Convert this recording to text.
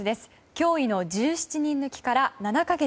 驚異の１７人抜きから７か月。